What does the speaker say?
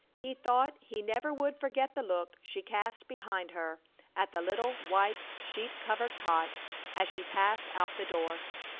He thought he never would forget the look she cast behind her at the little, white, sheet covered cot as she passed out the door.